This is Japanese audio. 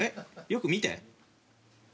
よく見て？